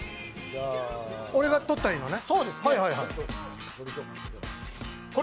俺が取ったらええのね。